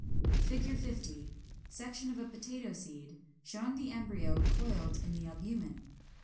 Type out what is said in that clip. ] [Illustration: Fig. 50. Section of a Potato seed, showing the embryo coiled in the albumen.